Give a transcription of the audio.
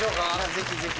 ぜひぜひ。